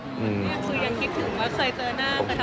คุณยังคิดถึงว่าเคยเจอหน้าที่ทำงาน